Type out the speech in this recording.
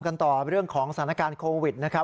กันต่อเรื่องของสถานการณ์โควิดนะครับ